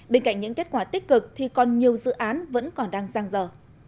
bên cạnh những kết quả tích cực thì còn nhiều dự án vẫn còn đang giang dở